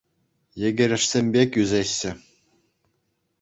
Йӗкӗрешсем пек ӳсеҫҫӗ.